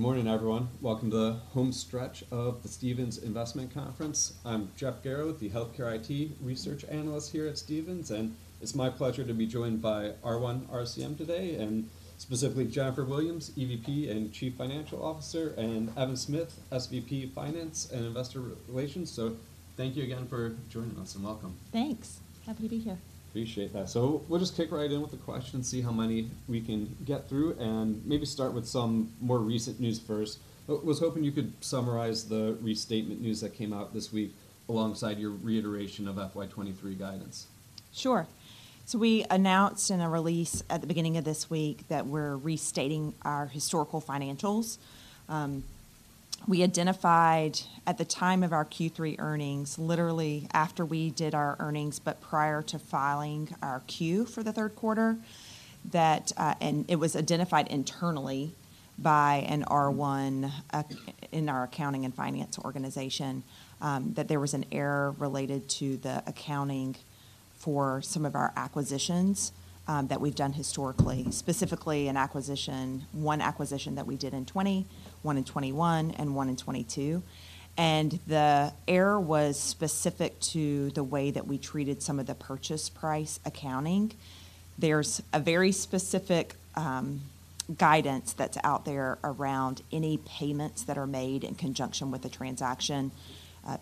All right. Good morning, everyone. Welcome to the home stretch of the Stephens Investment Conference. I'm Jeff Garro, the Healthcare IT Research Analyst here at Stephens, and it's my pleasure to be joined by R1 RCM today, and specifically Jennifer Williams, EVP and Chief Financial Officer, and Evan Smith, SVP Finance and Investor Relations. So thank you again for joining us, and welcome. Thanks. Happy to be here. Appreciate that. So we'll just kick right in with the questions, see how many we can get through, and maybe start with some more recent news first. I was hoping you could summarize the restatement news that came out this week, alongside your reiteration of FY 2023 guidance. Sure. So we announced in a release at the beginning of this week that we're restating our historical financials. We identified at the time of our Q3 earnings, literally after we did our earnings, but prior to filing our 10-Q for the third quarter, and it was identified internally by an R1 in our accounting and finance organization that there was an error related to the accounting for some of our acquisitions that we've done historically. Specifically, one acquisition that we did in 2020, one in 2021, and one in 2022. And the error was specific to the way that we treated some of the purchase price accounting. There's a very specific guidance that's out there around any payments that are made in conjunction with the transaction,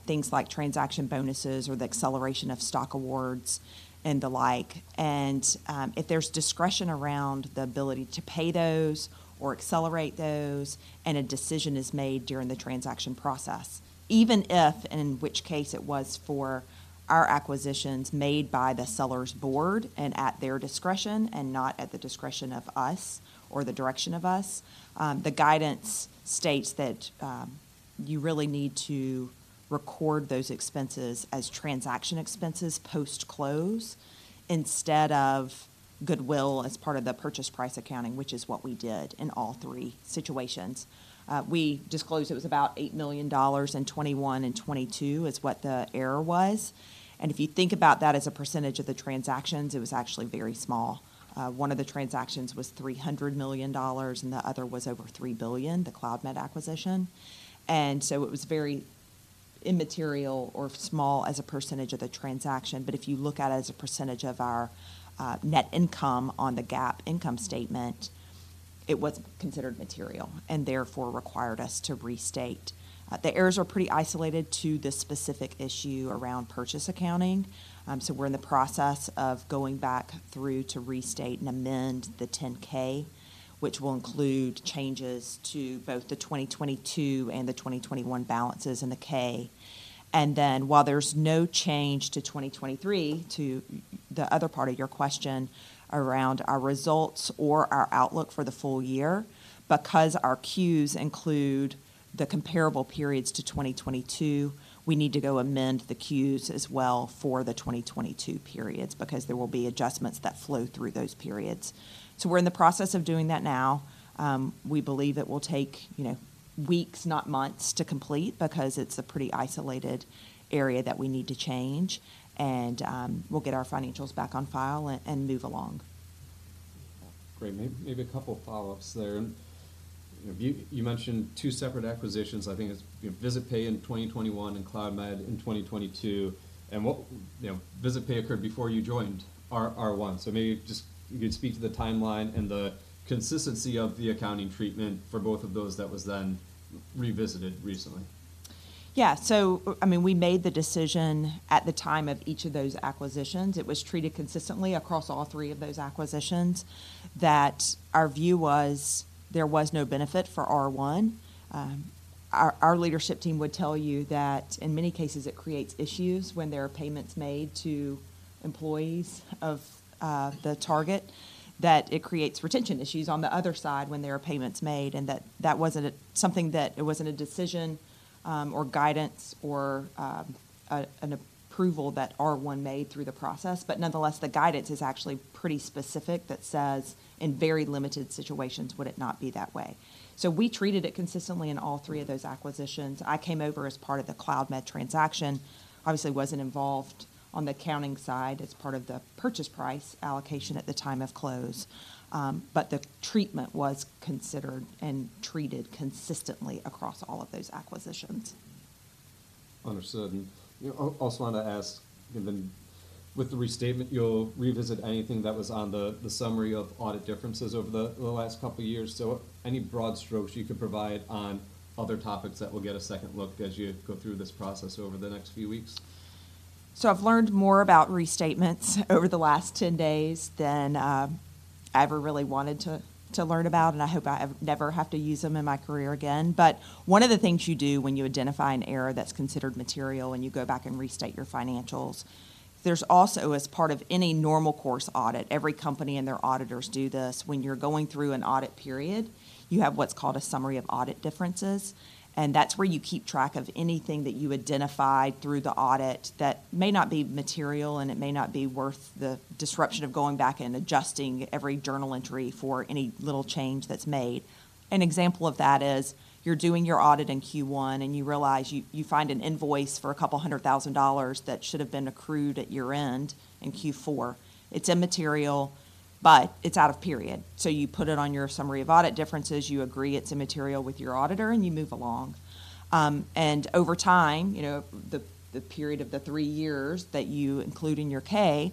things like transaction bonuses or the acceleration of stock awards and the like. If there's discretion around the ability to pay those or accelerate those, and a decision is made during the transaction process, even if, and in which case it was for our acquisitions made by the seller's board and at their discretion, and not at the discretion of us or the direction of us, the guidance states that you really need to record those expenses as transaction expenses post-close, instead of Goodwill as part of the purchase price accounting, which is what we did in all three situations. We disclosed it was about $8 million in 2021 and 2022, is what the error was. If you think about that as a percentage of the transactions, it was actually very small. One of the transactions was $300 million, and the other was over $3 billion, the Cloudmed acquisition. So it was very immaterial or small as a percentage of the transaction, but if you look at it as a percentage of our net income on the GAAP income statement, it was considered material, and therefore required us to restate. The errors were pretty isolated to the specific issue around purchase accounting. So we're in the process of going back through to restate and amend the 10-K, which will include changes to both the 2022 and the 2021 balances in the 10-K. Then, while there's no change to 2023, to the other part of your question around our results or our outlook for the full year, because our 10-Qs include the comparable periods to 2022, we need to go amend the 10-Qs as well for the 2022 periods, because there will be adjustments that flow through those periods. We're in the process of doing that now. We believe it will take, you know, weeks, not months, to complete, because it's a pretty isolated area that we need to change, and we'll get our financials back on file and move along. Great. Maybe a couple of follow-ups there. You mentioned two separate acquisitions. I think it's, you know, VisitPay in 2021 and Cloudmed in 2022. And what, you know, VisitPay occurred before you joined R1. So maybe just you could speak to the timeline and the consistency of the accounting treatment for both of those that was then revisited recently. Yeah. So, I mean, we made the decision at the time of each of those acquisitions. It was treated consistently across all three of those acquisitions, that our view was there was no benefit for R1. Our leadership team would tell you that in many cases, it creates issues when there are payments made to employees of the target, that it creates retention issues on the other side when there are payments made, and that that wasn't something that it wasn't a decision or guidance or an approval that R1 made through the process. But nonetheless, the guidance is actually pretty specific, that says in very limited situations would it not be that way. So we treated it consistently in all three of those acquisitions. I came over as part of the Cloudmed transaction. Obviously, wasn't involved on the accounting side as part of the purchase price allocation at the time of close, but the treatment was considered and treated consistently across all of those acquisitions. Understood. And, you know, I also wanted to ask, and then with the restatement, you'll revisit anything that was on the Summary of Audit Differences over the last couple of years. So any broad strokes you could provide on other topics that will get a second look as you go through this process over the next few weeks? So I've learned more about restatements over the last 10 days than I ever really wanted to learn about, and I hope I never have to use them in my career again. But one of the things you do when you identify an error that's considered material, and you go back and restate your financials, there's also, as part of any normal course audit, every company and their auditors do this. When you're going through an audit period, you have what's called a Summary of Audit Differences, and that's where you keep track of anything that you identified through the audit that may not be material, and it may not be worth the disruption of going back and adjusting every journal entry for any little change that's made. An example of that is, you're doing your audit in Q1, and you realize you find an invoice for couple hundred thousand dollars that should have been accrued at your end in Q4. It's immaterial... but it's out of period, so you put it on your Summary of Audit Differences, you agree it's immaterial with your auditor, and you move along. And over time, you know, the period of the three years that you include in your 10-K,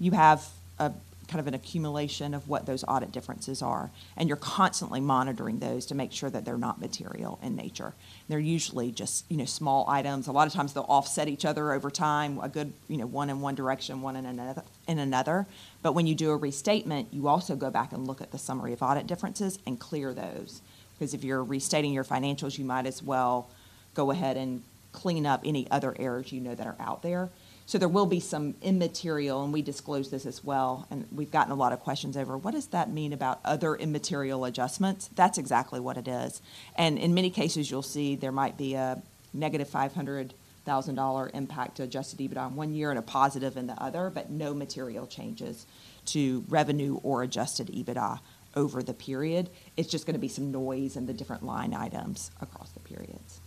you have a kind of an accumulation of what those audit differences are, and you're constantly monitoring those to make sure that they're not material in nature. They're usually just, you know, small items. A lot of times they'll offset each other over time, a good, you know, one in one direction, one in another, in another. But when you do a restatement, you also go back and look at the Summary of Audit Differences and clear those, 'cause if you're restating your financials, you might as well go ahead and clean up any other errors you know that are out there. So there will be some immaterial, and we disclose this as well, and we've gotten a lot of questions over, "What does that mean about other immaterial adjustments?" That's exactly what it is. And in many cases, you'll see there might be a -$500,000 impact to adjusted EBITDA on one year and a positive in the other, but no material changes to revenue or adjusted EBITDA over the period. It's just gonna be some noise in the different line items across the periods.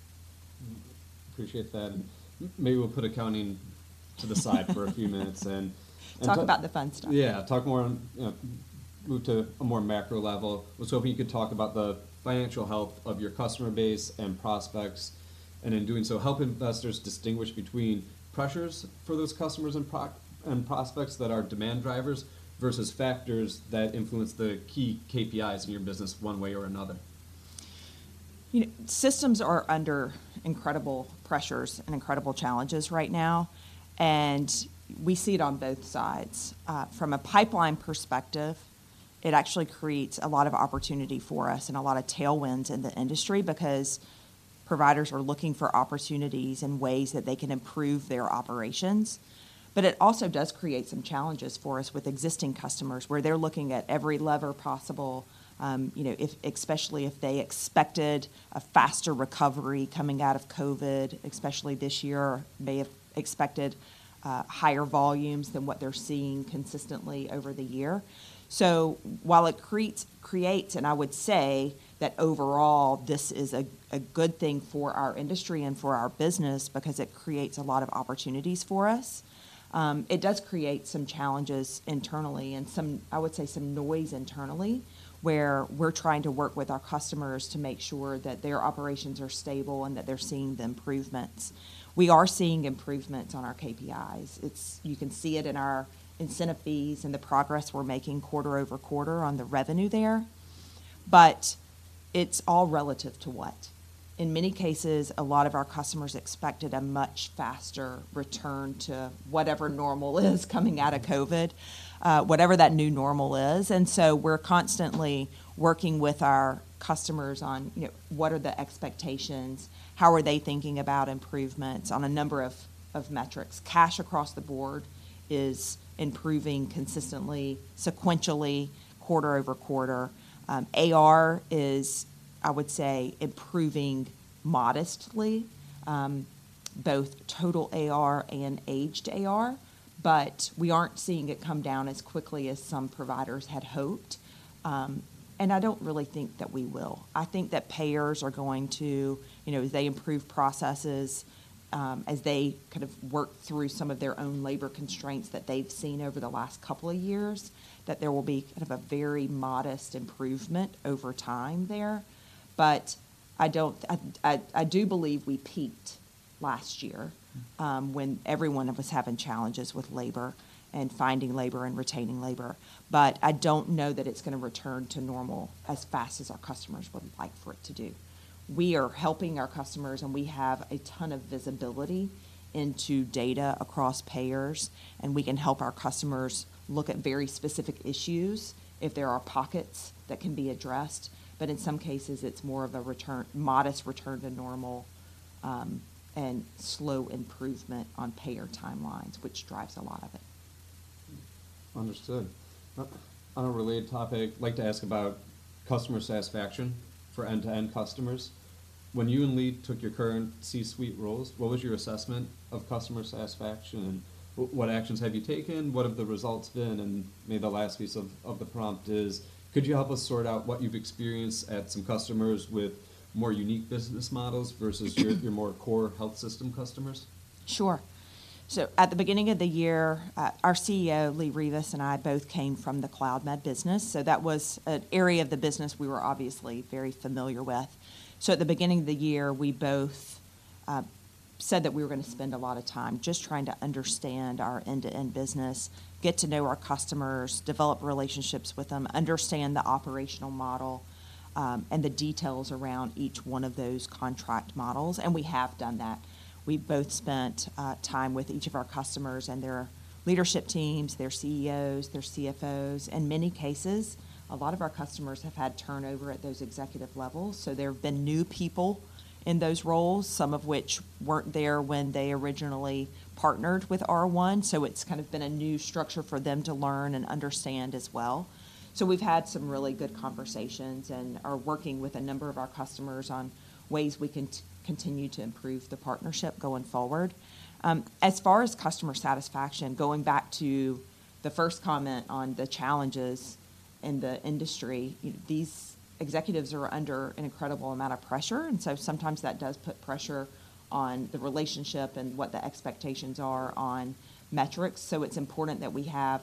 Appreciate that. Maybe we'll put accounting to the side for a few minutes and- Talk about the fun stuff. Yeah, talk more on, you know, move to a more macro level. I was hoping you could talk about the financial health of your customer base and prospects, and in doing so, help investors distinguish between pressures for those customers and prospects that are demand drivers versus factors that influence the key KPIs in your business one way or another. You know, systems are under incredible pressures and incredible challenges right now, and we see it on both sides. From a pipeline perspective, it actually creates a lot of opportunity for us and a lot of tailwinds in the industry because providers are looking for opportunities and ways that they can improve their operations. But it also does create some challenges for us with existing customers, where they're looking at every lever possible, you know, especially if they expected a faster recovery coming out of COVID, especially this year. May have expected higher volumes than what they're seeing consistently over the year. So while it creates, and I would say that overall this is a good thing for our industry and for our business because it creates a lot of opportunities for us, it does create some challenges internally and some I would say some noise internally, where we're trying to work with our customers to make sure that their operations are stable and that they're seeing the improvements. We are seeing improvements on our KPIs. It's. You can see it in our incentive fees and the progress we're making quarter-over-quarter on the revenue there, but it's all relative to what? In many cases, a lot of our customers expected a much faster return to whatever normal is coming out of COVID, whatever that new normal is. And so we're constantly working with our customers on, you know, what are the expectations? How are they thinking about improvements on a number of metrics? Cash across the board is improving consistently, sequentially, quarter-over-quarter. AR is, I would say, improving modestly, both total AR and aged AR, but we aren't seeing it come down as quickly as some providers had hoped. And I don't really think that we will. I think that payers are going to, you know, as they improve processes, as they kind of work through some of their own labor constraints that they've seen over the last couple of years, that there will be kind of a very modest improvement over time there. But I don't... I, I, I do believe we peaked last year- Mm... when every one of us having challenges with labor and finding labor and retaining labor, but I don't know that it's gonna return to normal as fast as our customers would like for it to do. We are helping our customers, and we have a ton of visibility into data across payers, and we can help our customers look at very specific issues if there are pockets that can be addressed. But in some cases, it's more of a return, modest return to normal, and slow improvement on payer timelines, which drives a lot of it. Understood. On a related topic, I'd like to ask about customer satisfaction for end-to-end customers. When you and Lee took your current C-suite roles, what was your assessment of customer satisfaction, and what actions have you taken? What have the results been? And maybe the last piece of the prompt is: Could you help us sort out what you've experienced at some customers with more unique business models versus your more core health system customers? Sure. So at the beginning of the year, our CEO, Lee Rivas, and I both came from the Cloudmed business, so that was an area of the business we were obviously very familiar with. So at the beginning of the year, we both said that we were gonna spend a lot of time just trying to understand our end-to-end business, get to know our customers, develop relationships with them, understand the operational model, and the details around each one of those contract models, and we have done that. We've both spent time with each of our customers and their leadership teams, their CEOs, their CFOs. In many cases, a lot of our customers have had turnover at those executive levels, so there have been new people in those roles, some of which weren't there when they originally partnered with R1. So it's kind of been a new structure for them to learn and understand as well. So we've had some really good conversations and are working with a number of our customers on ways we can continue to improve the partnership going forward. As far as customer satisfaction, going back to the first comment on the challenges in the industry, these executives are under an incredible amount of pressure, and so sometimes that does put pressure on the relationship and what the expectations are on metrics. So it's important that we have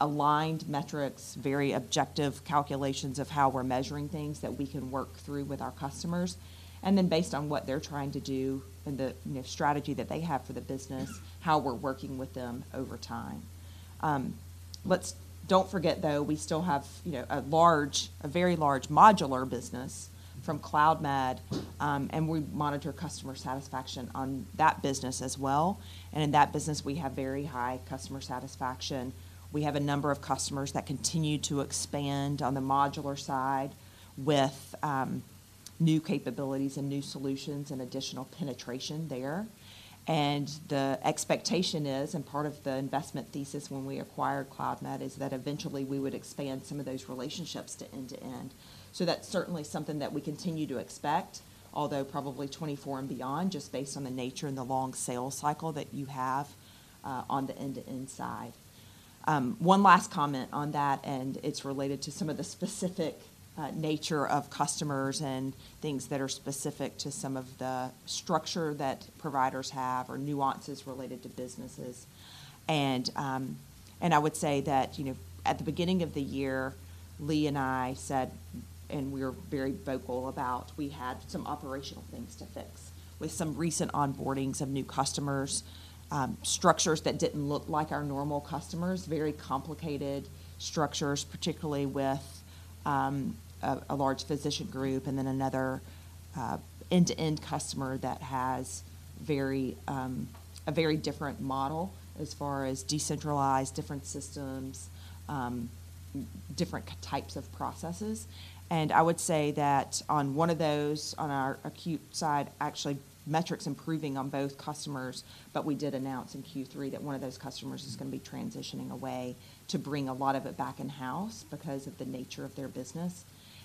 aligned metrics, very objective calculations of how we're measuring things, that we can work through with our customers, and then based on what they're trying to do and the, you know, strategy that they have for the business, how we're working with them over time. Don't forget, though, we still have, you know, a large, a very large modular business from Cloudmed, and we monitor customer satisfaction on that business as well. In that business, we have very high customer satisfaction. We have a number of customers that continue to expand on the modular side with new capabilities and new solutions and additional penetration there. The expectation is, and part of the investment thesis when we acquired Cloudmed, that eventually we would expand some of those relationships to end-to-end. That's certainly something that we continue to expect, although probably 2024 and beyond, just based on the nature and the long sales cycle that you have on the end-to-end side. One last comment on that, and it's related to some of the specific nature of customers and things that are specific to some of the structure that providers have or nuances related to businesses. And I would say that, you know, at the beginning of the year, Lee and I said, and we were very vocal about, we had some operational things to fix with some recent onboarding, some new customers, structures that didn't look like our normal customers. Very complicated structures, particularly with a large physician group and then another end-to-end customer that has very different model as far as decentralized different systems, different types of processes. I would say that on one of those, on our acute side, actually metrics improving on both customers, but we did announce in Q3 that one of those customers is gonna be transitioning away to bring a lot of it back in-house because of the nature of their business.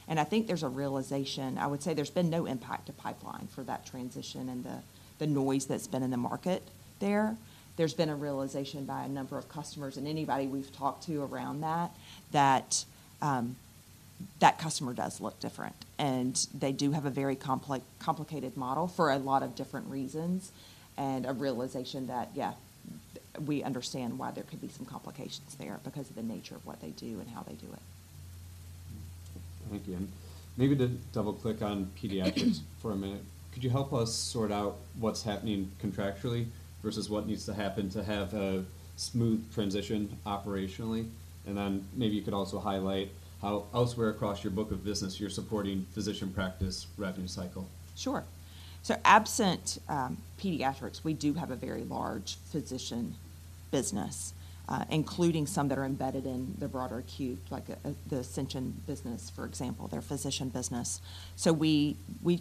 I think there's a realization. I would say there's been no impact to pipeline for that transition and the noise that's been in the market there. There's been a realization by a number of customers and anybody we've talked to around that, that customer does look different, and they do have a very complicated model for a lot of different reasons, and a realization that, yeah, we understand why there could be some complications there because of the nature of what they do and how they do it. Thank you. And maybe to double-click on Pediatrix for a minute. Could you help us sort out what's happening contractually versus what needs to happen to have a smooth transition operationally? And then maybe you could also highlight how elsewhere across your book of business, you're supporting physician practice revenue cycle. Sure. So absent Pediatrix, we do have a very large physician business, including some that are embedded in the broader acute, like the Ascension business, for example, their physician business. So we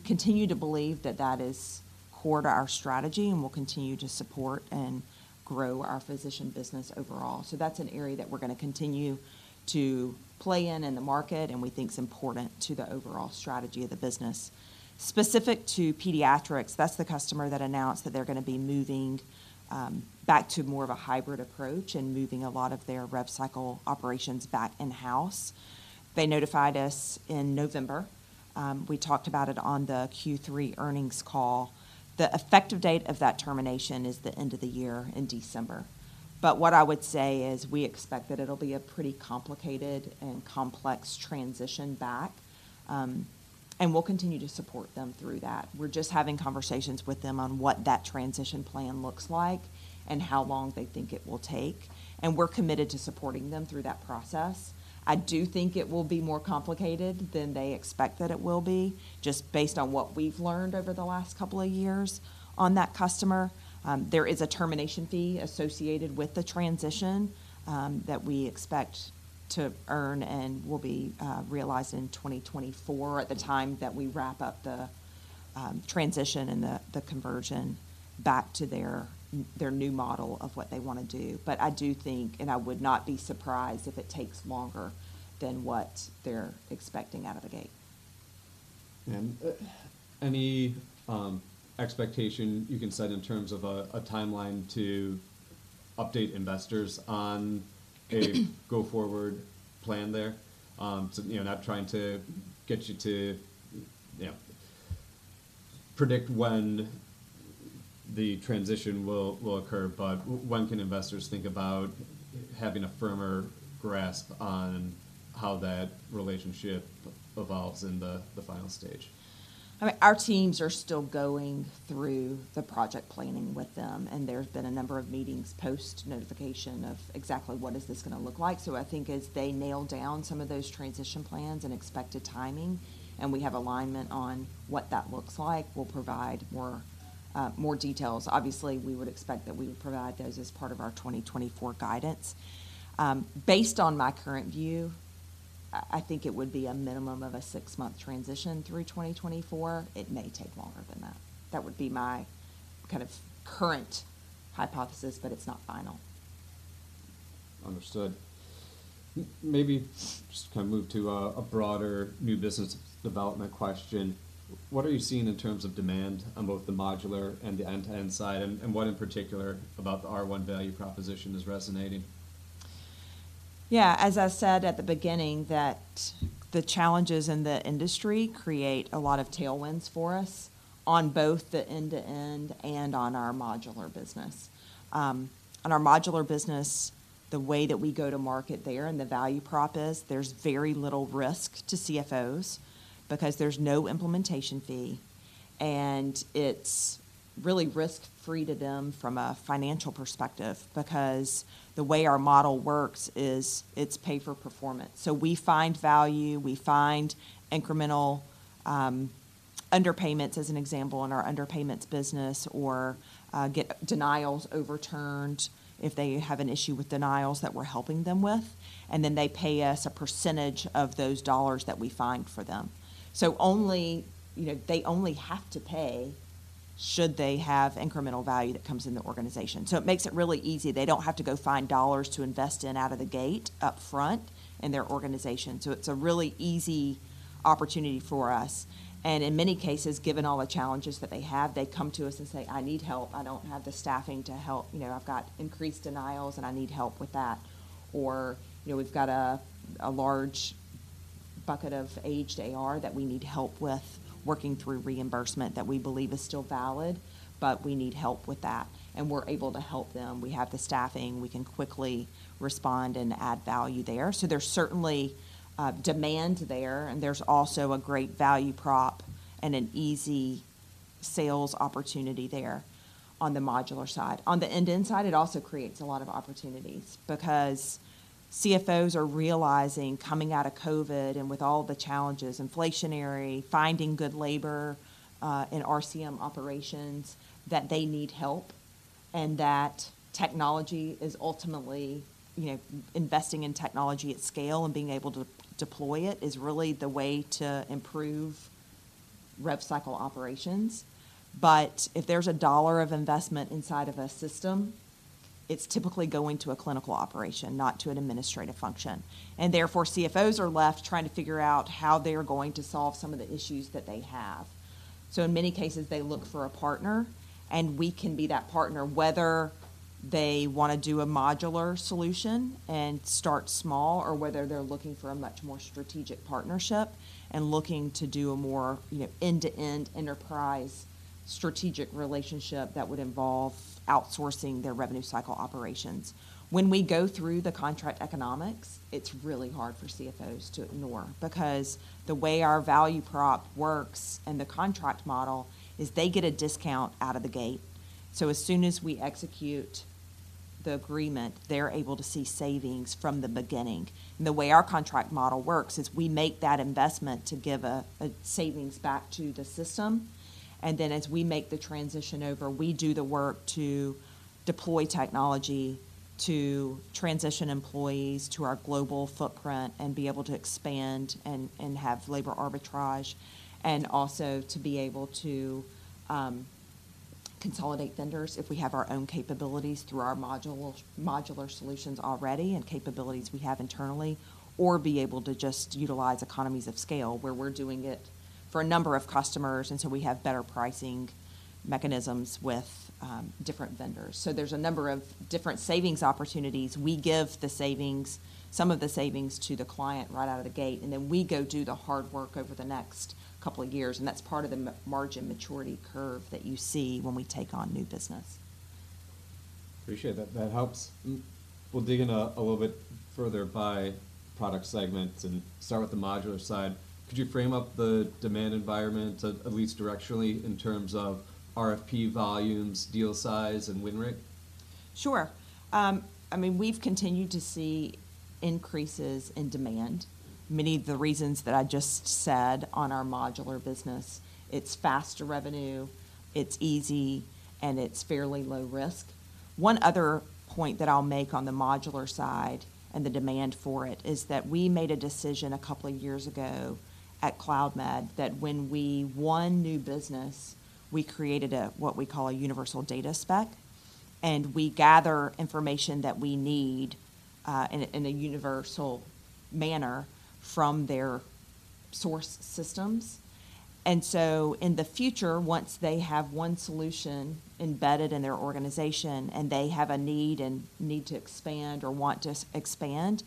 continue to believe that that is core to our strategy, and we'll continue to support and grow our physician business overall. So that's an area that we're gonna continue to play in the market, and we think is important to the overall strategy of the business. Specific to Pediatrix, that's the customer that announced that they're gonna be moving back to more of a hybrid approach and moving a lot of their rev cycle operations back in-house. They notified us in November. We talked about it on the Q3 earnings call. The effective date of that termination is the end of the year in December. But what I would say is, we expect that it'll be a pretty complicated and complex transition back, and we'll continue to support them through that. We're just having conversations with them on what that transition plan looks like and how long they think it will take, and we're committed to supporting them through that process. I do think it will be more complicated than they expect that it will be, just based on what we've learned over the last couple of years on that customer. There is a termination fee associated with the transition, that we expect to earn and will be realized in 2024, at the time that we wrap up the transition and the conversion back to their new model of what they wanna do. But I do think, and I would not be surprised if it takes longer than what they're expecting out of the gate. Any expectation you can set in terms of a timeline to update investors on a go-forward plan there? You know, not trying to get you to, you know, predict when the transition will occur, but when can investors think about having a firmer grasp on how that relationship evolves in the final stage? I mean, our teams are still going through the project planning with them, and there's been a number of meetings, post notification of exactly what is this gonna look like. So I think as they nail down some of those transition plans and expected timing, and we have alignment on what that looks like, we'll provide more details. Obviously, we would expect that we would provide those as part of our 2024 guidance. Based on my current view, I think it would be a minimum of a six-month transition through 2024. It may take longer than that. That would be my kind of current hypothesis, but it's not final. Understood. Maybe just kind of move to a broader new business development question. What are you seeing in terms of demand on both the modular and the end-to-end side, and what in particular about the R1 value proposition is resonating? Yeah, as I said at the beginning, that the challenges in the industry create a lot of tailwinds for us on both the end-to-end and on our modular business. On our modular business, the way that we go to market there and the value prop is, there's very little risk to CFOs because there's no implementation fee, and it's really risk-free to them from a financial perspective, because the way our model works is it's pay for performance. So we find value, we find incremental underpayments, as an example, in our underpayments business, or get denials overturned if they have an issue with denials that we're helping them with, and then they pay us a percentage of those dollars that we find for them. So only, you know, they only have to pay should they have incremental value that comes in the organization. So it makes it really easy. They don't have to go find dollars to invest in out of the gate upfront in their organization. So it's a really easy opportunity for us, and in many cases, given all the challenges that they have, they come to us and say, "I need help. I don't have the staffing to help." You know, "I've got increased denials, and I need help with that." Or, you know, "We've got a large bucket of aged AR that we need help with, working through reimbursement that we believe is still valid, but we need help with that." And we're able to help them. We have the staffing. We can quickly respond and add value there. So there's certainly demand there, and there's also a great value prop and an easy sales opportunity there on the modular side. On the end-to-end side, it also creates a lot of opportunities because CFOs are realizing, coming out of COVID and with all the challenges, inflationary, finding good labor, in RCM operations, that they need help, and that technology is ultimately... You know, investing in technology at scale and being able to deploy it is really the way to improve rev cycle operations. But if there's a dollar of investment inside of a system, it's typically going to a clinical operation, not to an administrative function. And therefore, CFOs are left trying to figure out how they are going to solve some of the issues that they have. So in many cases, they look for a partner, and we can be that partner, whether they want to do a modular solution and start small, or whether they're looking for a much more strategic partnership and looking to do a more, you know, end-to-end enterprise strategic relationship that would involve outsourcing their revenue cycle operations. When we go through the contract economics, it's really hard for CFOs to ignore, because the way our value prop works and the contract model is they get a discount out of the gate. So as soon as we execute the agreement, they're able to see savings from the beginning. The way our contract model works is we make that investment to give a savings back to the system, and then as we make the transition over, we do the work to deploy technology, to transition employees to our global footprint and be able to expand and have labor arbitrage, and also to be able to consolidate vendors if we have our own capabilities through our modular solutions already and capabilities we have internally, or be able to just utilize economies of scale where we're doing it for a number of customers, and so we have better pricing mechanisms with different vendors. So there's a number of different savings opportunities. We give the savings, some of the savings, to the client right out of the gate, and then we go do the hard work over the next couple of years, and that's part of the margin maturity curve that you see when we take on new business. Appreciate that. That helps. We'll dig in a little bit further by product segments and start with the modular side. Could you frame up the demand environment, at least directionally, in terms of RFP volumes, deal size, and win rate? Sure. I mean, we've continued to see increases in demand. Many of the reasons that I just said on our modular business: it's faster revenue, it's easy, and it's fairly low risk. One other point that I'll make on the modular side and the demand for it is that we made a decision a couple of years ago at Cloudmed, that when we won new business, we created a, what we call a universal data spec, and we gather information that we need in a universal manner from their source systems. In the future, once they have one solution embedded in their organization and they have a need and need to expand or want to expand,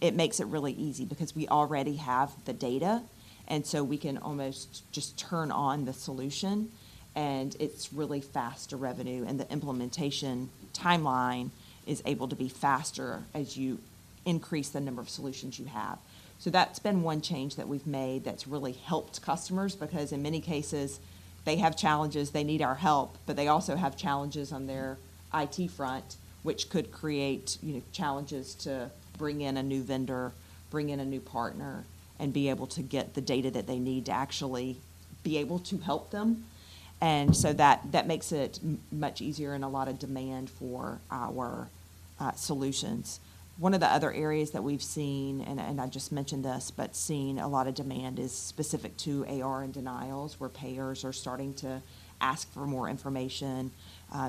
it makes it really easy because we already have the data, and so we can almost just turn on the solution, and it's really fast to revenue, and the implementation timeline is able to be faster as you increase the number of solutions you have. That's been one change that we've made that's really helped customers, because in many cases, they have challenges. They need our help, but they also have challenges on their IT front, which could create, you know, challenges to bring in a new vendor, bring in a new partner, and be able to get the data that they need to actually be able to help them. And so that, that makes it much easier and a lot of demand for our solutions. One of the other areas that we've seen, and I, and I just mentioned this, but seeing a lot of demand is specific to AR and denials, where payers are starting to ask for more information,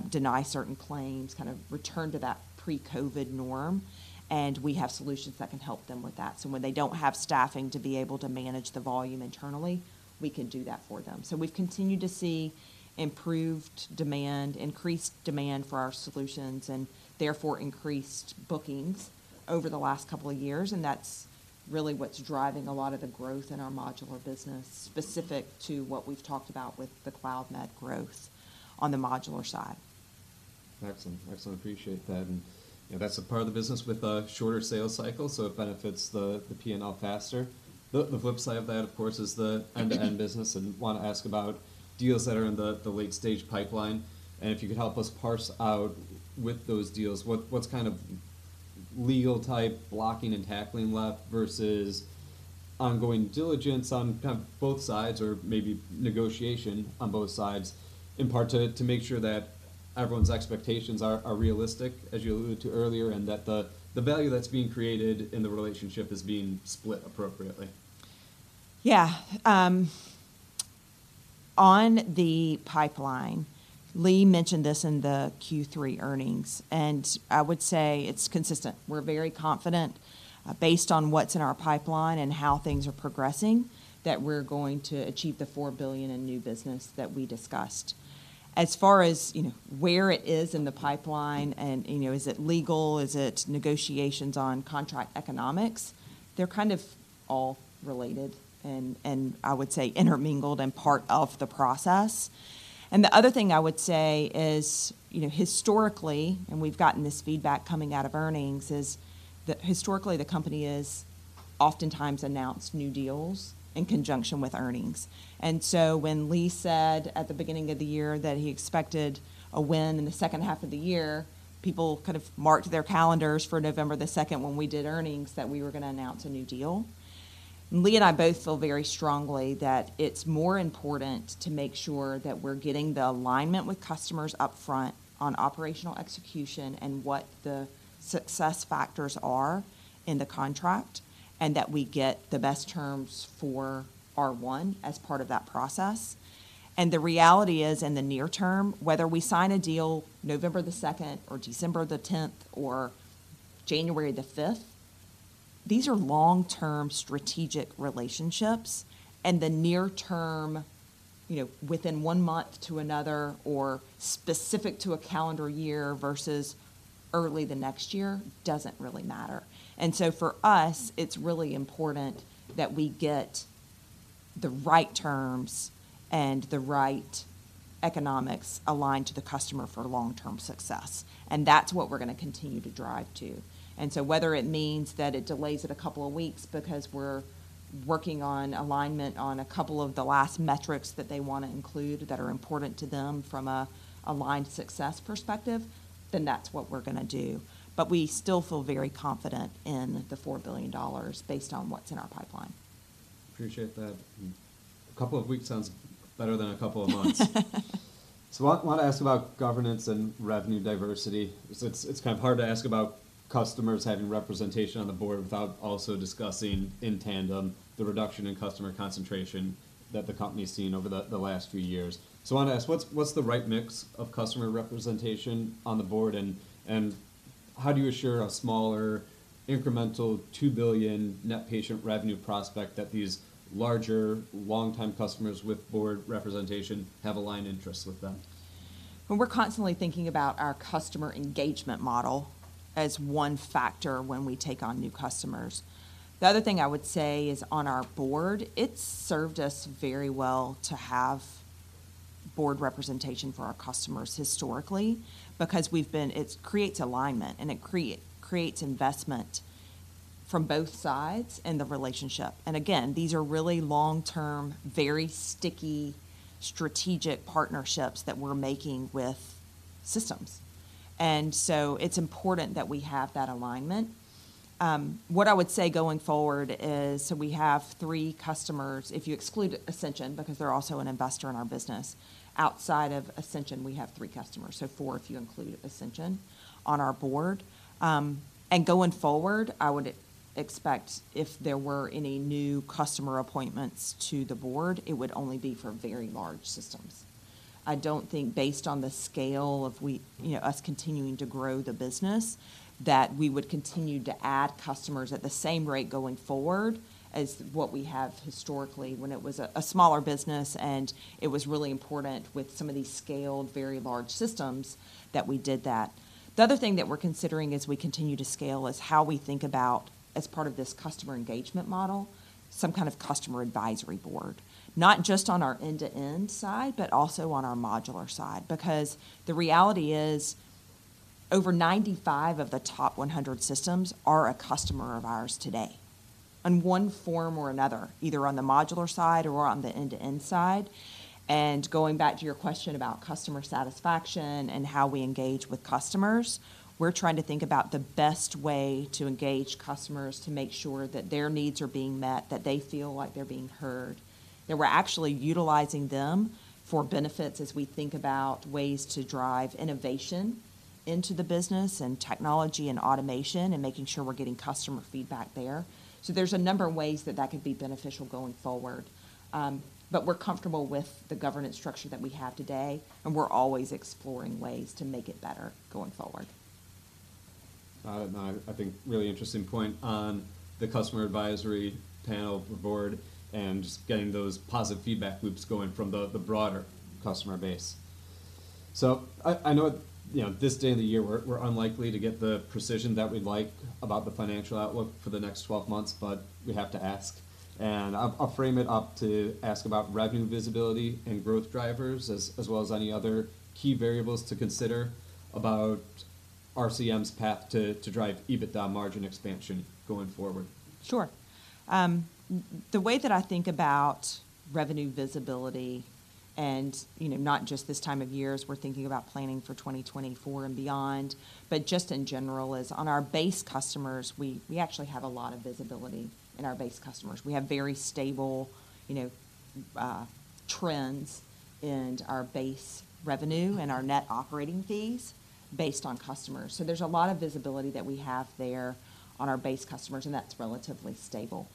deny certain claims, kind of return to that pre-COVID norm, and we have solutions that can help them with that. So when they don't have staffing to be able to manage the volume internally, we can do that for them. So we've continued to see improved demand, increased demand for our solutions, and therefore increased bookings over the last couple of years, and that's really what's driving a lot of the growth in our modular business, specific to what we've talked about with the Cloudmed growth on the modular side. Excellent, excellent. Appreciate that. And, you know, that's a part of the business with a shorter sales cycle, so it benefits the P&L faster. The flip side of that, of course, is the end-to-end business, and want to ask about deals that are in the late-stage pipeline. And if you could help us parse out with those deals, what's kind of legal type blocking and tackling left versus ongoing diligence on kind of both sides, or maybe negotiation on both sides, in part to make sure that everyone's expectations are realistic, as you alluded to earlier, and that the value that's being created in the relationship is being split appropriately? Yeah, on the pipeline, Lee mentioned this in the Q3 earnings, and I would say it's consistent. We're very confident, based on what's in our pipeline and how things are progressing, that we're going to achieve the $4 billion in new business that we discussed. As far as, you know, where it is in the pipeline and, you know, is it legal? Is it negotiations on contract economics? They're kind of all related and, and I would say intermingled and part of the process. And the other thing I would say is, you know, historically, and we've gotten this feedback coming out of earnings, is that historically, the company has oftentimes announced new deals in conjunction with earnings. And so when Lee said at the beginning of the year that he expected a win in the second half of the year, people kind of marked their calendars for November 2nd, when we did earnings, that we were gonna announce a new deal. Lee and I both feel very strongly that it's more important to make sure that we're getting the alignment with customers up front on operational execution and what the success factors are in the contract, and that we get the best terms for R1 as part of that process. And the reality is, in the near term, whether we sign a deal November 2nd or December 10th or January 5th, these are long-term strategic relationships, and the near term, you know, within one month to another or specific to a calendar year versus early the next year, doesn't really matter. For us, it's really important that we get the right terms and the right economics aligned to the customer for long-term success. That's what we're gonna continue to drive to. Whether it means that it delays it a couple of weeks because we're working on alignment on a couple of the last metrics that they wanna include that are important to them from an aligned success perspective, then that's what we're gonna do. But we still feel very confident in the $4 billion based on what's in our pipeline. Appreciate that. A couple of weeks sounds better than a couple of months. So I want to ask about governance and revenue diversity. It's, it's kind of hard to ask about customers having representation on the board without also discussing in tandem the reduction in customer concentration that the company has seen over the, the last few years. So I want to ask, what's, what's the right mix of customer representation on the board, and, and how do you assure a smaller, incremental $2 billion net patient revenue prospect that these larger, long-time customers with board representation have aligned interests with them? Well, we're constantly thinking about our customer engagement model as one factor when we take on new customers. The other thing I would say is, on our board, it's served us very well to have board representation for our customers historically, because we've been—it creates alignment and creates investment from both sides in the relationship. And again, these are really long-term, very sticky, strategic partnerships that we're making with systems. And so it's important that we have that alignment. What I would say going forward is, so we have three customers, if you exclude Ascension, because they're also an investor in our business. Outside of Ascension, we have three customers, so four, if you include Ascension on our board. And going forward, I would expect if there were any new customer appointments to the board, it would only be for very large systems. I don't think based on the scale of you know, us continuing to grow the business, that we would continue to add customers at the same rate going forward as what we have historically when it was a smaller business, and it was really important with some of these scaled, very large systems that we did that. The other thing that we're considering as we continue to scale is how we think about, as part of this customer engagement model, some kind of customer advisory board. Not just on our end-to-end side, but also on our modular side. Because the reality is, over 95 of the top 100 systems are a customer of ours today, on one form or another, either on the modular side or on the end-to-end side. Going back to your question about customer satisfaction and how we engage with customers, we're trying to think about the best way to engage customers to make sure that their needs are being met, that they feel like they're being heard, that we're actually utilizing them for benefits as we think about ways to drive innovation into the business and technology and automation, and making sure we're getting customer feedback there. So there's a number of ways that that could be beneficial going forward. But we're comfortable with the governance structure that we have today, and we're always exploring ways to make it better going forward. And I think, really interesting point on the customer advisory panel board and just getting those positive feedback loops going from the broader customer base. So I know, you know, this day of the year, we're unlikely to get the precision that we'd like about the financial outlook for the next 12 months, but we have to ask, and I'll frame it up to ask about revenue visibility and growth drivers, as well as any other key variables to consider about... RCM's path to drive EBITDA margin expansion going forward? Sure. The way that I think about revenue visibility, and, you know, not just this time of year, as we're thinking about planning for 2024 and beyond, but just in general, is on our base customers, we, we actually have a lot of visibility in our base customers. We have very stable, you know, trends in our base revenue and our net operating fees based on customers. So there's a lot of visibility that we have there on our base customers, and that's relatively stable.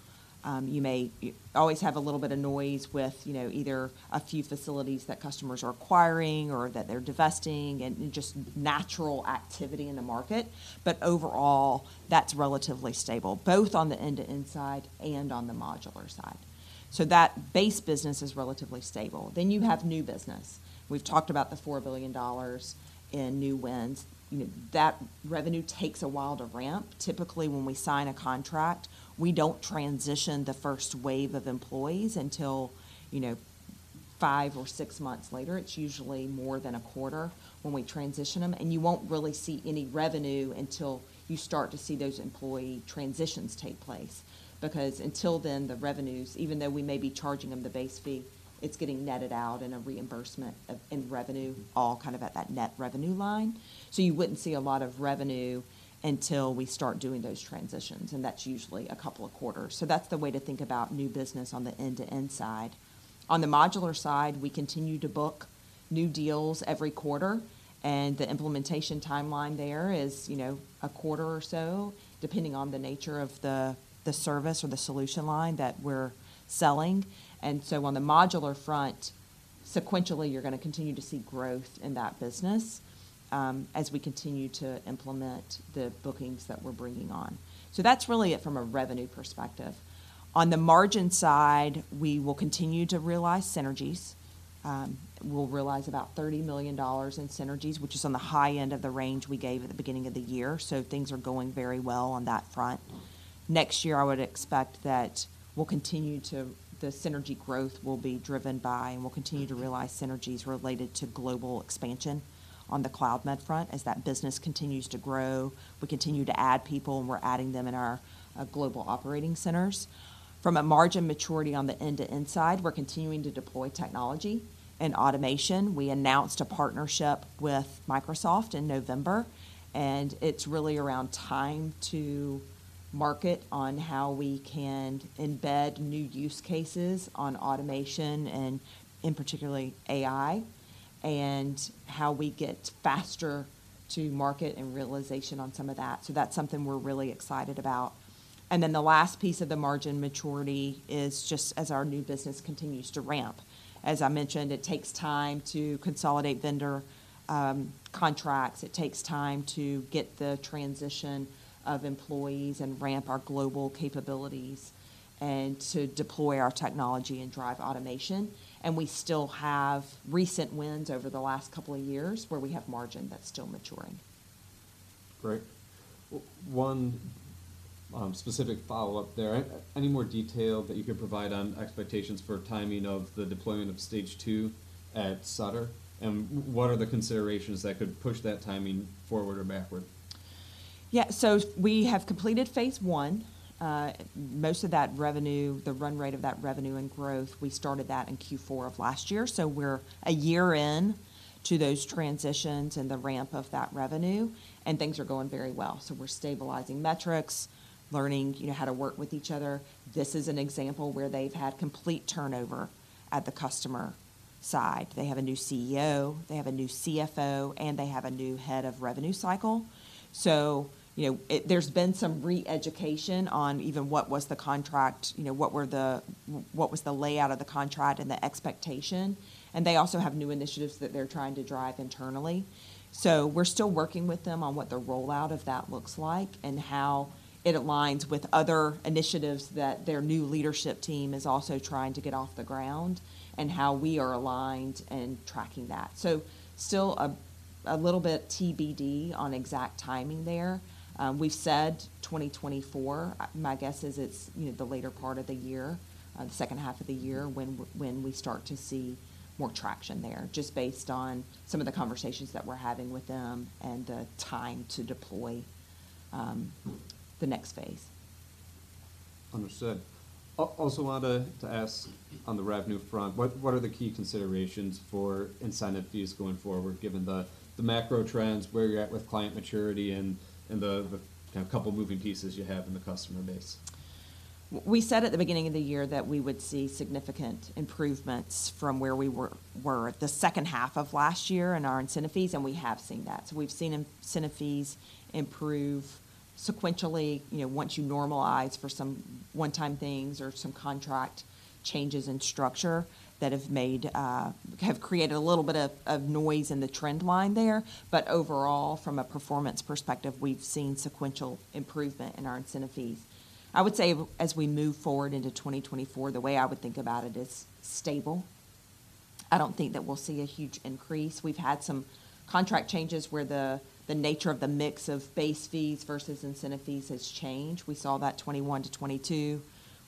You may—you always have a little bit of noise with, you know, either a few facilities that customers are acquiring or that they're divesting, and just natural activity in the market, but overall, that's relatively stable, both on the end-to-end side and on the modular side. So that base business is relatively stable. Then you have new business. We've talked about the $4 billion in new wins. You know, that revenue takes a while to ramp. Typically, when we sign a contract, we don't transition the first wave of employees until, you know, 5 or 6 months later. It's usually more than a quarter when we transition them, and you won't really see any revenue until you start to see those employee transitions take place. Because until then, the revenues, even though we may be charging them the base fee, it's getting netted out in a reimbursement in revenue, all kind of at that net revenue line. So you wouldn't see a lot of revenue until we start doing those transitions, and that's usually a couple of quarters. So that's the way to think about new business on the end-to-end side. On the modular side, we continue to book new deals every quarter, and the implementation timeline there is, you know, a quarter or so, depending on the nature of the service or the solution line that we're selling. And so on the modular front, sequentially, you're going to continue to see growth in that business, as we continue to implement the bookings that we're bringing on. So that's really it from a revenue perspective. On the margin side, we will continue to realize synergies. We'll realize about $30 million in synergies, which is on the high end of the range we gave at the beginning of the year, so things are going very well on that front. Next year, I would expect that we'll continue to... The synergy growth will be driven by, and we'll continue to realize synergies related to global expansion on the Cloudmed front. As that business continues to grow, we continue to add people, and we're adding them in our global operating centers. From a margin maturity on the end-to-end side, we're continuing to deploy technology and automation. We announced a partnership with Microsoft in November, and it's really around time to market on how we can embed new use cases on automation and particularly AI, and how we get faster to market and realization on some of that. So that's something we're really excited about. And then the last piece of the margin maturity is just as our new business continues to ramp. As I mentioned, it takes time to consolidate vendor contracts. It takes time to get the transition of employees and ramp our global capabilities and to deploy our technology and drive automation. We still have recent wins over the last couple of years where we have margin that's still maturing. Great. One, specific follow-up there. Any more detail that you can provide on expectations for timing of the deployment of Stage Two at Sutter? And what are the considerations that could push that timing forward or backward? Yeah, so we have completed Phase One. Most of that revenue, the run rate of that revenue and growth, we started that in Q4 of last year, so we're a year in to those transitions and the ramp of that revenue, and things are going very well. So we're stabilizing metrics, learning, you know, how to work with each other. This is an example where they've had complete turnover at the customer side. They have a new CEO, they have a new CFO, and they have a new head of revenue cycle. So you know, there's been some reeducation on even what was the contract, you know, what was the layout of the contract and the expectation, and they also have new initiatives that they're trying to drive internally. So we're still working with them on what the rollout of that looks like, and how it aligns with other initiatives that their new leadership team is also trying to get off the ground, and how we are aligned and tracking that. So still a little bit TBD on exact timing there. We've said 2024. My guess is it's, you know, the later part of the year, the second half of the year, when we start to see more traction there, just based on some of the conversations that we're having with them and time to deploy the next phase. Understood. Also wanted to ask on the revenue front, what are the key considerations for incentive fees going forward, given the macro trends, where you're at with client maturity, and the kind of couple moving pieces you have in the customer base? We said at the beginning of the year that we would see significant improvements from where we were in the second half of last year in our incentive fees, and we have seen that. So we've seen incentive fees improve sequentially, you know, once you normalize for some one-time things or some contract changes in structure that have made have created a little bit of noise in the trend line there. But overall, from a performance perspective, we've seen sequential improvement in our incentive fees. I would say as we move forward into 2024, the way I would think about it is stable. I don't think that we'll see a huge increase. We've had some contract changes where the nature of the mix of base fees versus incentive fees has changed. We saw that 2021-2022,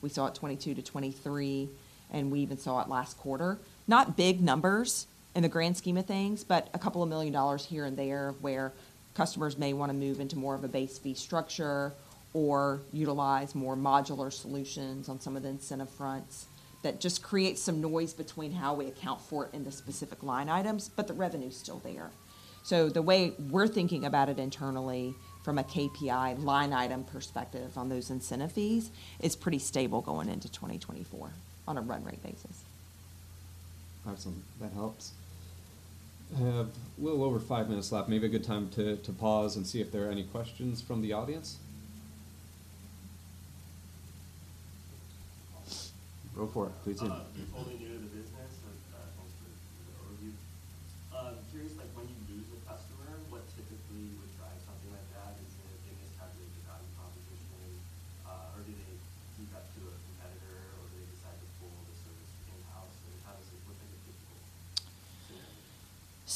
we saw it 2022-2023, and we even saw it last quarter. Not big numbers in the grand scheme of things, but a couple of million dollars here and there, where customers may want to move into more of a base fee structure or utilize more modular solutions on some of the incentive fronts. That just creates some noise between how we account for it in the specific line items, but the revenue's still there. So the way we're thinking about it internally from a KPI line item perspective on those incentive fees, is pretty stable going into 2024 on a run rate basis. Awesome. That helps. I have a little over five minutes left. Maybe a good time to pause and see if there are any questions from the audience. Go for it, please. Curious,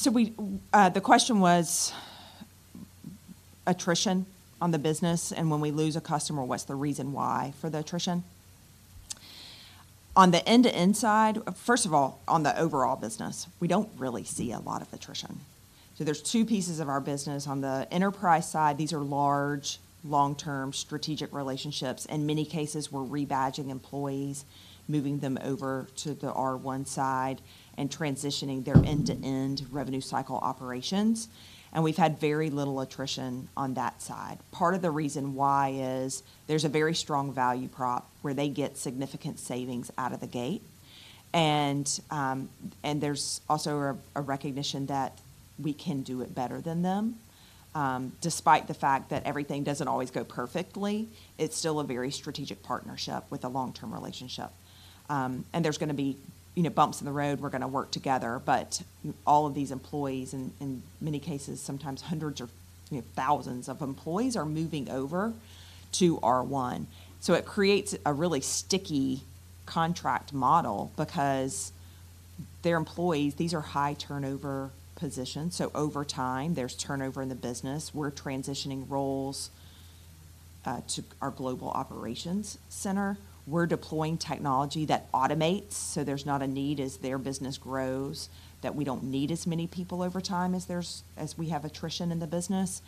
like, when you lose a customer, what typically would drive something like that? Is it a miscalculation of the value proposition, or do they go to a competitor, or do they decide to pull the service in-house? So we, the question was attrition on the business, and when we lose a customer, what's the reason why for the attrition? On the end-to-end side. First of all, on the overall business, we don't really see a lot of attrition. So there's two pieces of our business. On the enterprise side, these are large, long-term strategic relationships. In many cases, we're rebadging employees, moving them over to the R1 side and transitioning their end-to-end revenue cycle operations, and we've had very little attrition on that side. Part of the reason why is there's a very strong value prop where they get significant savings out of the gate. And, and there's also a recognition that we can do it better than them. Despite the fact that everything doesn't always go perfectly, it's still a very strategic partnership with a long-term relationship. And there's gonna be, you know, bumps in the road, we're gonna work together, but all of these employees, and in many cases, sometimes hundreds or, you know, thousands of employees, are moving over to R1. So it creates a really sticky contract model because their employees, these are high-turnover positions, so over time, there's turnover in the business. We're transitioning roles to our global operations center. We're deploying technology that automates, so there's not a need as their business grows, that we don't need as many people over time as we have attrition in the business.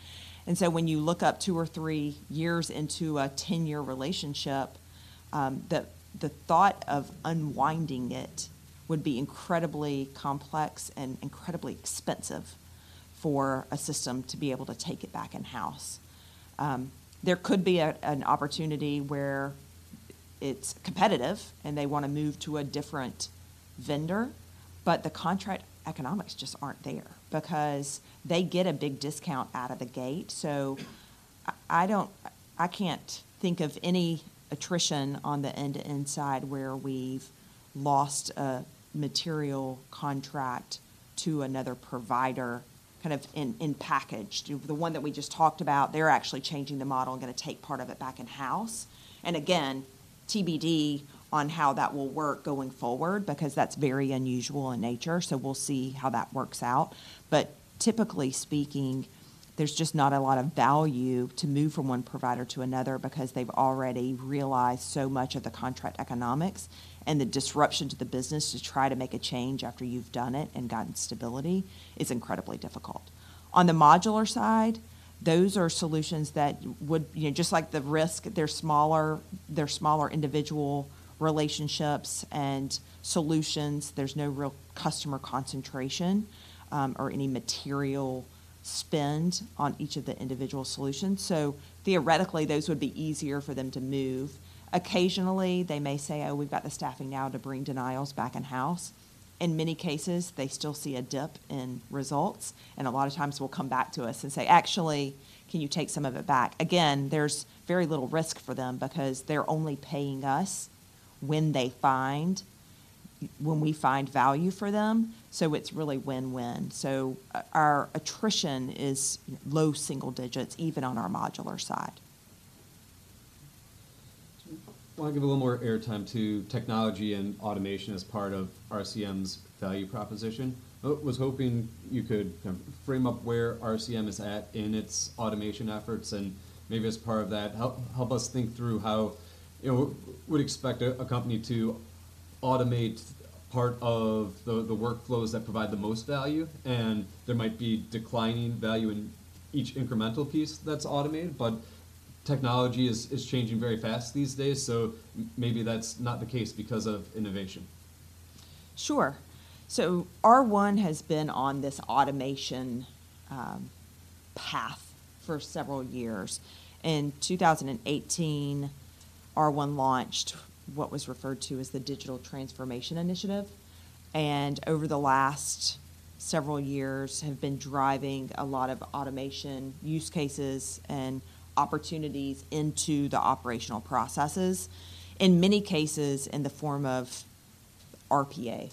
And so when you look two or three years into a 10-year relationship, the, the thought of unwinding it would be incredibly complex and incredibly expensive for a system to be able to take it back in-house. There could be an opportunity where it's competitive and they want to move to a different vendor, but the contract economics just aren't there because they get a big discount out of the gate. So I don't—I can't think of any attrition on the end-to-end side, where we've lost a material contract to another provider, kind of in package. The one that we just talked about, they're actually changing the model and gonna take part of it back in-house. And again, TBD on how that will work going forward, because that's very unusual in nature, so we'll see how that works out. But typically speaking, there's just not a lot of value to move from one provider to another because they've already realized so much of the contract economics and the disruption to the business to try to make a change after you've done it and gotten stability is incredibly difficult. On the modular side, those are solutions that would... You know, just like the risk, they're smaller, they're smaller individual relationships and solutions. There's no real customer concentration, or any material spend on each of the individual solutions, so theoretically, those would be easier for them to move. Occasionally, they may say: "Oh, we've got the staffing now to bring denials back in-house." In many cases, they still see a dip in results, and a lot of times will come back to us and say: "Actually, can you take some of it back?" Again, there's very little risk for them because they're only paying us when we find value for them, so it's really win-win. So our attrition is low single digits, even on our modular side. Want to give a little more airtime to technology and automation as part of RCM's value proposition. I was hoping you could kind of frame up where RCM is at in its automation efforts, and maybe as part of that, help us think through how, you know, we'd expect a company to automate part of the workflows that provide the most value, and there might be declining value in each incremental piece that's automated, but technology is changing very fast these days, so maybe that's not the case because of innovation. Sure. So R1 has been on this automation path for several years. In 2018, R1 launched what was referred to as the Digital Transformation Initiative, and over the last several years have been driving a lot of automation use cases and opportunities into the operational processes, in many cases, in the form of RPA,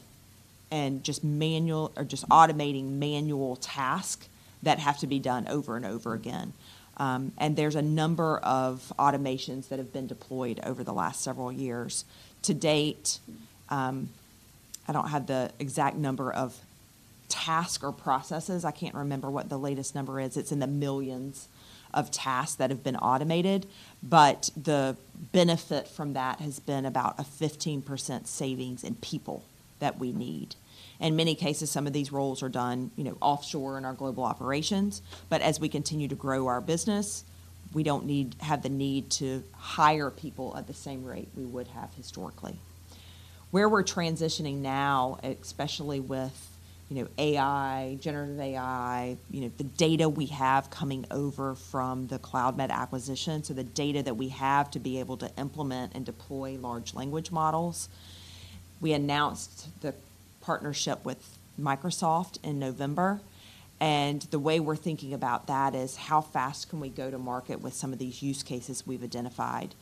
and just automating manual task that have to be done over and over again. And there's a number of automations that have been deployed over the last several years. To date, I don't have the exact number of tasks or processes. I can't remember what the latest number is. It's in the millions of tasks that have been automated, but the benefit from that has been about a 15% savings in people that we need. In many cases, some of these roles are done, you know, offshore in our global operations, but as we continue to grow our business, we don't have the need to hire people at the same rate we would have historically. Where we're transitioning now, especially with, you know, AI, generative AI, you know, the data we have coming over from the Cloudmed acquisition, so the data that we have to be able to implement and deploy large language models. We announced the partnership with Microsoft in November, and the way we're thinking about that is: How fast can we go to market with some of these use cases we've identified?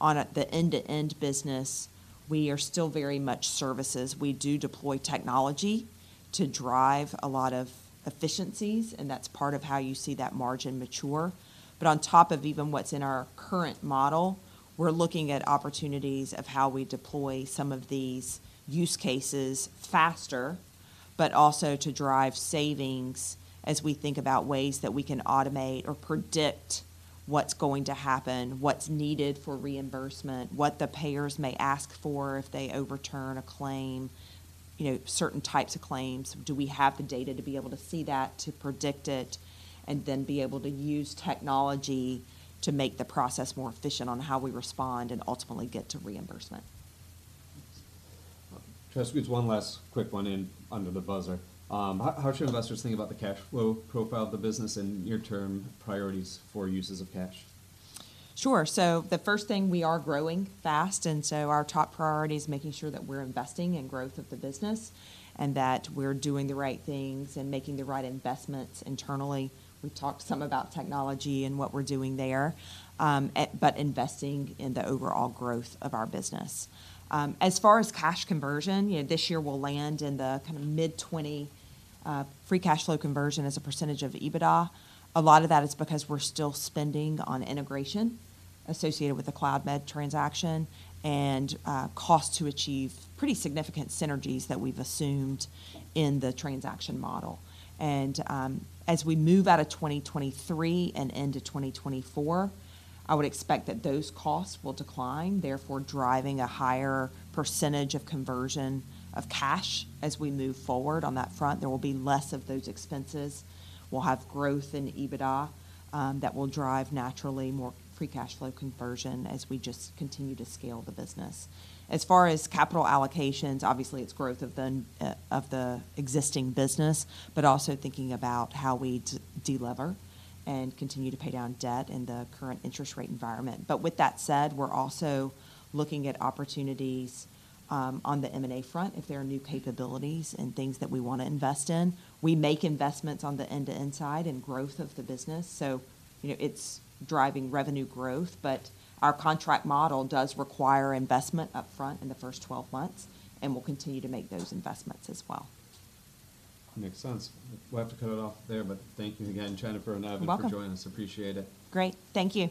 On the end-to-end business, we are still very much services. We do deploy technology to drive a lot of efficiencies, and that's part of how you see that margin mature. But on top of even what's in our current model, we're looking at opportunities of how we deploy some of these use cases faster, but also to drive savings as we think about ways that we can automate or predict what's going to happen, what's needed for reimbursement, what the payers may ask for if they overturn a claim, you know, certain types of claims. Do we have the data to be able to see that, to predict it, and then be able to use technology to make the process more efficient on how we respond and ultimately get to reimbursement? Can I squeeze one last quick one in under the buzzer? How, how should investors think about the cash flow profile of the business and near-term priorities for uses of cash? Sure. So the first thing, we are growing fast, and so our top priority is making sure that we're investing in growth of the business and that we're doing the right things and making the right investments internally. We've talked some about technology and what we're doing there, but investing in the overall growth of our business. As far as cash conversion, you know, this year we'll land in the kind of mid-20% free cash flow conversion as a percentage of EBITDA. A lot of that is because we're still spending on integration associated with the Cloudmed transaction and, cost to achieve pretty significant synergies that we've assumed in the transaction model. As we move out of 2023 and into 2024, I would expect that those costs will decline, therefore driving a higher percentage of conversion of cash as we move forward on that front. There will be less of those expenses. We'll have growth in EBITDA, that will drive naturally more free cash flow conversion as we just continue to scale the business. As far as capital allocations, obviously, it's growth of the of the existing business, but also thinking about how we delever and continue to pay down debt in the current interest rate environment. With that said, we're also looking at opportunities on the M&A front, if there are new capabilities and things that we want to invest in. We make investments on the end-to-end side and growth of the business, so, you know, it's driving revenue growth. But our contract model does require investment upfront in the first 12 months, and we'll continue to make those investments as well. Makes sense. We'll have to cut it off there, but thank you again, Jennifer and Evan. You're welcome. for joining us. Appreciate it. Great. Thank you.